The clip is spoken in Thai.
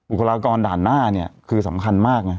อุปกรณากรด่านหน้าเนี่ยคือสำคัญมากนะ